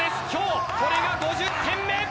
今日これが５０点目。